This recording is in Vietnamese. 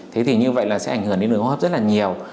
thế thì như vậy là sẽ ảnh hưởng đến người hô hợp rất là nhiều